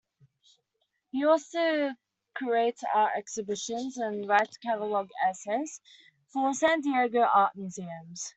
He also curates art exhibitions and writes catalog essays for San Diego art museums.